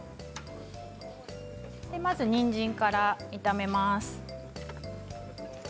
まずはにんじんから炒めます。